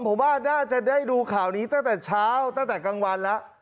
ผมว่าน่าจะได้ดูข่าวนี้ตั้งแต่เช้าตั้งแต่กลางวันแล้ว